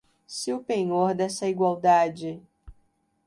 Se o penhor dessa igualdade